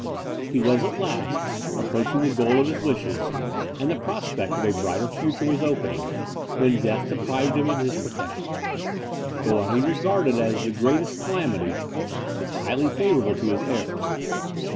He was, at last, approaching the goal of his wishes, and the prospect of a brighter future was opening, when death deprived him of his protector. But what he regarded as the greatest calamity, was highly favourable to his heirs.